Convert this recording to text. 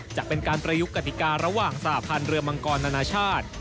จะเป็นการประยุกต์กติการะหว่างสหพันธ์เรือมังกรนานาชาติ